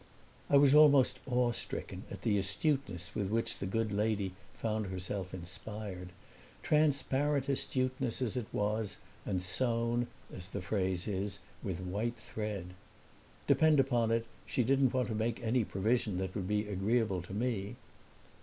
I was almost awestricken at the astuteness with which the good lady found herself inspired, transparent astuteness as it was and sewn, as the phrase is, with white thread. "Depend upon it she didn't want to make any provision that would be agreeable to me."